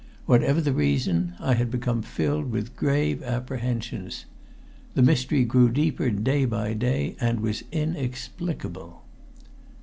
Whatever the reason, I had become filled with grave apprehensions. The mystery grew deeper day by day, and was inexplicable.